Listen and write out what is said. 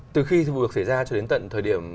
từ khi vụ việc xảy ra cho đến tận thời điểm